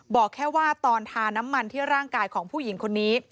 บอกแค่ว่าตอนทาน้ำมันที่ร่างกายของผู้หญิงคนนี้